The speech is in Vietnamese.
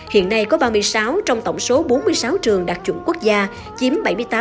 hiện nay có ba mươi sáu trong tổng số bốn mươi sáu trường đạt chuẩn quốc gia chiếm bảy mươi tám hai mươi sáu